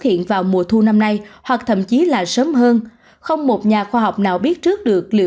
hiện vào mùa thu năm nay hoặc thậm chí là sớm hơn không một nhà khoa học nào biết trước được liệu